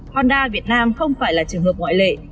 honda việt nam không phải là trường hợp ngoại lệ